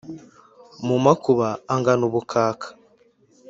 Mu makuba ungana ubukaka